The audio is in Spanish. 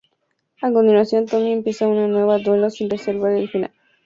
A continuación Tommy empieza un nuevo duelo sin revelarse el final.